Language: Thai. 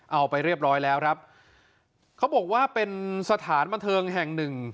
เอาไปเรียบร้อยแล้วครับเขาบอกว่าเป็นสถานบันเทิงแห่งหนึ่ง